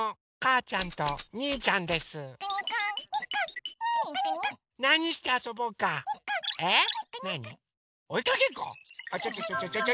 あっちょちょちょちょ。